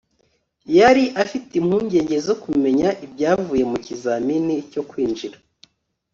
yari afite impungenge zo kumenya ibyavuye mu kizamini cyo kwinjira